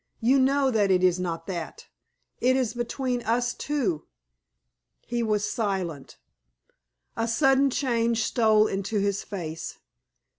"You know that it is not that. It is between us two." He was silent. A sudden change stole into his face.